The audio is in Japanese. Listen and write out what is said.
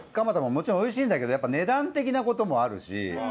もちろん美味しいんだけどやっぱ値段的な事もあるし。